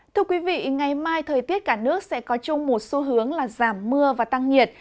thưa quý vị ngày mai thời tiết cả nước sẽ có chung một xu hướng là giảm mưa và tăng nhiệt